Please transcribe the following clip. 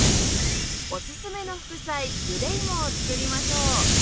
おすすめの副菜ゆでいもを作りましょう